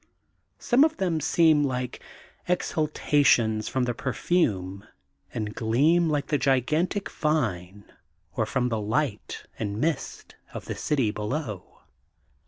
Some of them seem like ex halations from the perfume and gleam of the gigantic vine or from the light and mist of the city below.